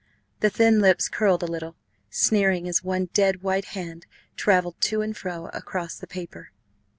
The thin lips curled a little, sneering, as one dead white hand travelled to and fro across the paper.